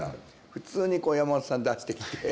普通に山本さん出してきて。